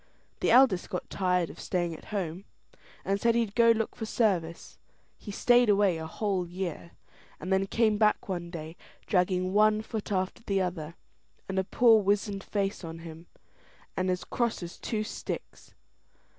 The eldest got tired of staying at home, and said he'd go look for service. He stayed away a whole year, and then came back one day, dragging one foot after the other, and a poor wizened face on him, and he as cross as two sticks.